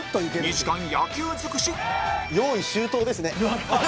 ２時間野球尽くし！